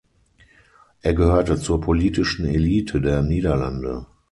Er gehörte zur politischen Elite der Niederlande.